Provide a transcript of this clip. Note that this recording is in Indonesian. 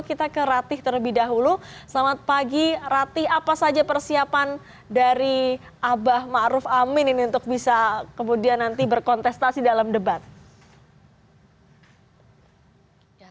kita ke rati terlebih dahulu selamat pagi rati apa saja persiapan dari abah ma'ruf amin ini untuk bisa kemudian nanti berkontestasi dalam debat